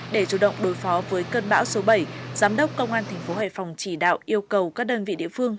để chủ động đối phó với cơn bão số bảy giám đốc công an tp hải phòng chỉ đạo yêu cầu các đơn vị địa phương